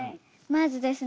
まずですね